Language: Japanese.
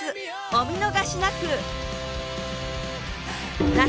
お見逃しなく！